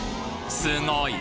すごい。